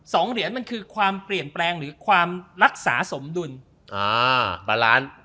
สองเหรียญมันคือความเปลี่ยนแปลงหรือความรักษาสมดุลอ่าบาลานซ์